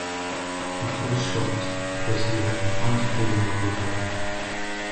He feels shocked, because he had begun to fall in love with her.